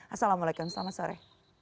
assalamualaikum selamat sore